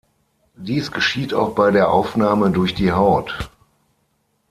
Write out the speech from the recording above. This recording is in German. Dies geschieht auch bei der Aufnahme durch die Haut.